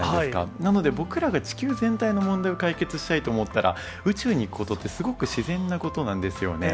なので僕らが地球全体の問題を解決したいと思ったら、宇宙に行くことって、すごく自然なことなんですよね。